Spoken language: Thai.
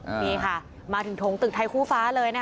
นี่ค่ะมาถึงถงตึกไทยคู่ฟ้าเลยนะคะ